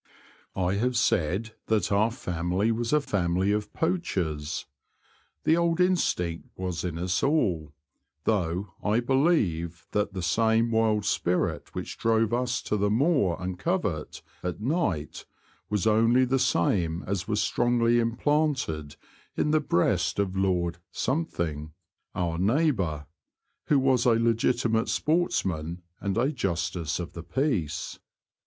I have said that our family was a family of poachers. The old instinct was in us all, though I believe that the same wild spirit 22 The Confessions of a T^oacher. which drove us to the the moor and covert at night was only the same as was strongly im planted in the breast of Lord , our neighbour, who was a legitimate sportsman and a Justice of the Peace.